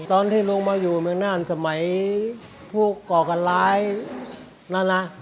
ตอนที่ลุงมาอยู่เมืองน่านสมัยผู้ก่อการร้ายนั่นนะ